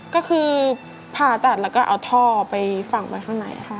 ก็คือผ่าตัดแล้วก็เอาท่อไปฝั่งไว้ข้างในค่ะ